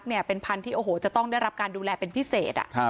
เนี่ยเป็นพันธุ์ที่โอ้โหจะต้องได้รับการดูแลเป็นพิเศษ